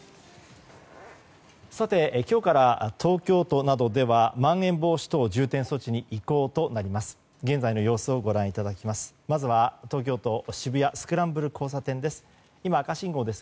さて、今日から東京都などではまん延防止措置に移行になります。